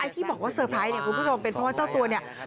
ที่บอกว่าเซอร์ไพรส์เนี่ยคุณผู้ชมเป็นเพราะว่าเจ้าตัวเนี่ย